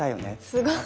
すごい！